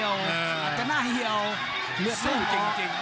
อาจจะหน้าเหี่ยว